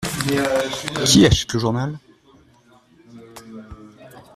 Qui achète le journal ?